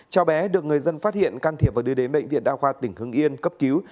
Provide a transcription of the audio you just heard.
cháu bé được người dân phát hiện can thiệp và đưa đến bệnh viện đa khoa tỉnh hưng yên cấp cứu